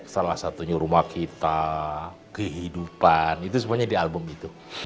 salah satunya rumah kita kehidupan itu semuanya di album itu